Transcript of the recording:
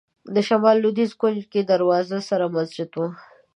د شمال لوېدیځ کونج کې دروازې سره مسجد و.